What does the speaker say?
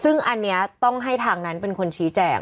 ซึ่งอันนี้ต้องให้ทางนั้นเป็นคนชี้แจก